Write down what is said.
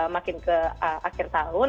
makin ke akhir tahun